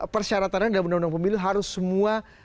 persyaratannya dalam undang undang pemilu harus semua